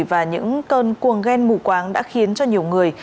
và những cơn cuồng ghen mù quáng đã khiến cho nhiều người